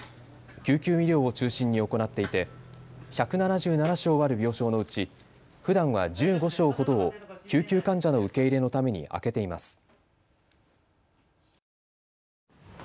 救急医療を中心に行っていて１７７床ある病床のうちふだんは１５床ほどを救急患者の受け入れのために空けています。